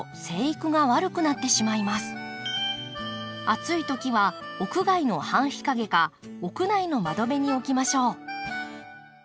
暑い時は屋外の半日陰か屋内の窓辺に置きましょう。